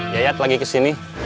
yayat lagi kesini